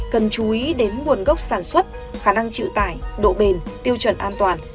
cần chú ý đến nguồn gốc sản xuất khả năng chịu tải độ bền tiêu chuẩn an toàn